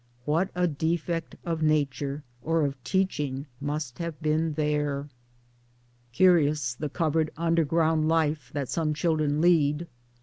what a defect of nature, or of teaching, must have been there ! Curious, the covered underground life that some children lead